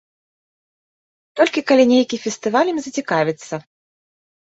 Толькі калі нейкі фестываль ім зацікавіцца.